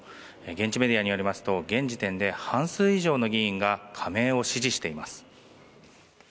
現地メディアによりますと現時点で半数以上の議員が加盟を支持しています。